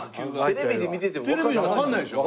テレビで見ててもわかんなかったですよ。